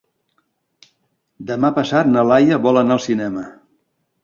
Demà passat na Laia vol anar al cinema.